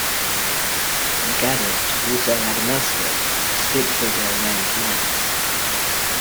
"MacAddict" also had a mascot, a stick-figure named Max.